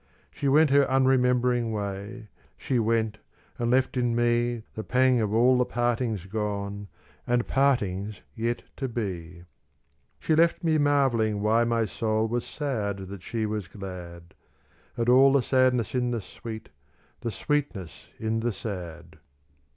She went her unremembering way, She went and left in me The pang of all the partings gone, And partings yet to be. She left me marvelling why my soul Was sad that she was glad; At all the sadness in the sweet, The sweetness in the sad.